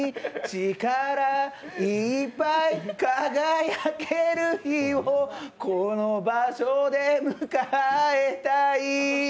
力いっぱい輝ける日をこの場所で迎えたい。